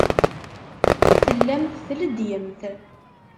Tellamt tleddyemt.